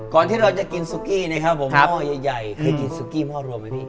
ที่เราจะกินซุกี้นะครับผมหม้อใหญ่เคยกินซุกี้หม้อรวมไหมพี่